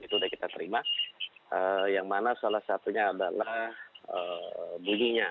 itu sudah kita terima yang mana salah satunya adalah bunyinya